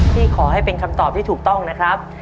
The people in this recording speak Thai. ขอให้เป็นคำตอบที่ถูกต้องนะครับ